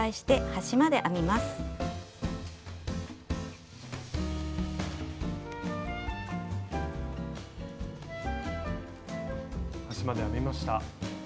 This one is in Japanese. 端まで編めました。